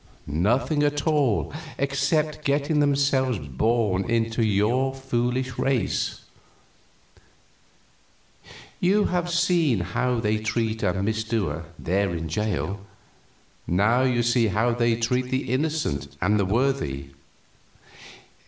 Nothing at all, except getting themselves born into your foolish race. You have seen how they treat a misdoer there in the jail; now you see how they treat the innocent and the worthy.